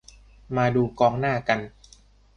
มาดูกองหน้ากัน